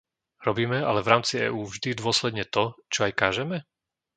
Robíme ale v rámci EÚ vždy dôsledne to, čo aj kážeme?